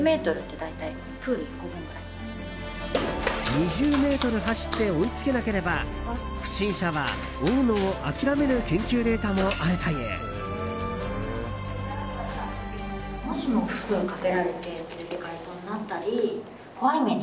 ２０ｍ走って追いつけなければ不審者が追うのを諦めるという研究データもあるという。より実践的な訓練ですね。